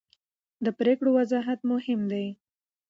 د پرېکړو وضاحت مهم دی